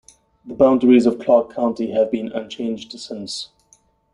The boundaries of Clark County have been unchanged since.